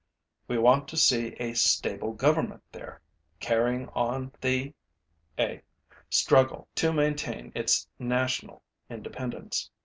we want to see a stable Government there, carrying on the [a] struggle to maintain its national independence.